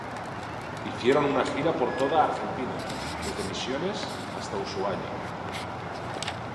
Hicieron una gira por toda Argentina, desde Misiones hasta Ushuaia.